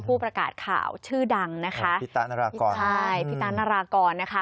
ผู้ประกาศข่าวชื่อดังนะคะพี่ตะนารากรใช่พี่ตะนารากรนะคะ